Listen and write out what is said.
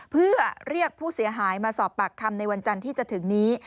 เพื่อเรียกผู้เสียหายมาสอบปากคำในวันจันทร์ที่จะถึงนี้